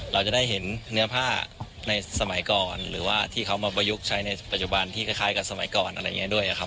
เราจะได้นุมพาห์ประโยชน์ประสบความใช้ตอนเธอ